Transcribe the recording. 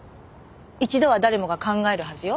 一度は誰もが考えるはずよ。